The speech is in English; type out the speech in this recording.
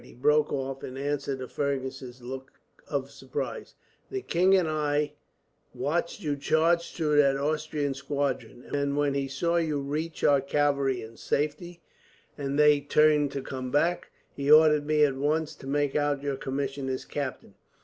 he broke off, in answer to Fergus's look of surprise. "The king and I watched you charge through that Austrian squadron, and when he saw you reach our cavalry in safety, and they turned to come back, he ordered me at once to make out your commission as captain.